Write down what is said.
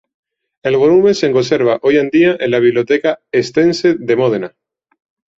El volumen se conserva hoy día en la Biblioteca estense de Módena.